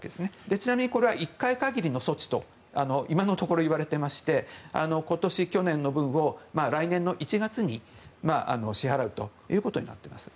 ちなみにこれは１回限りの措置と今のところ、いわれていまして今年、去年の分を来年の１月に支払うということになっています。